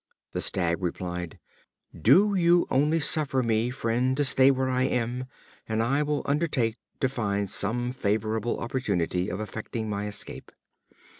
The Stag replied: "Do you only suffer me, friend, to stay where I am, and I will undertake to find some favorable opportunity of effecting my escape."